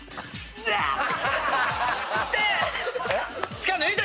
力抜いて！